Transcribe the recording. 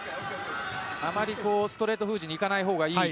あまりストレート封じにいかないほうがいい